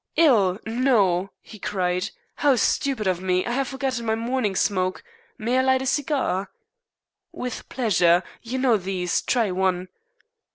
"Ill! No!" he cried. "How stupid of me. I have forgotten my morning smoke. May I light a cigar?" "With pleasure. You know these. Try one."